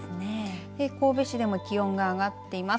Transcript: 神戸市でも気温が上がっています。